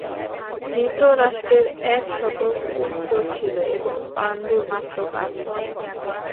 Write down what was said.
ধৃতরাষ্ট্রের এক শত পুত্র ছিল এবং পাণ্ডুর মাত্র পাঁচটি।